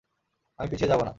আমি পিছিয়ে যাবো না!